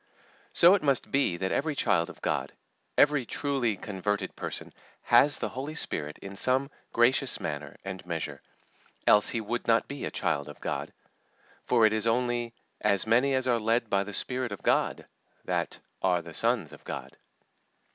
So it must be that every child of God, every truly converted person, has the Holy Spirit in some gracious manner and measure, else he would not be a child of God; for it is only "as many as are led by the Spirit of God" that "are the sons of God."